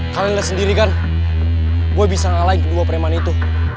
kalian lihat sendiri kan boy bisa ngalahin kedua perempuan itu